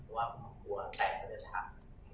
ว่าหัวแตกก็จะชัด